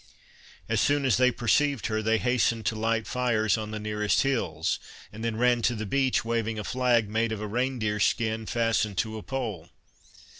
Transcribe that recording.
As soon as they perceived her, they hastened to light fires on the nearest hills, and then ran to the beach waving a flag made of a rein deer's skin fastened to a pole.